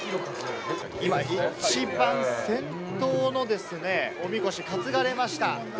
今、一番先頭のみこし、担がれました。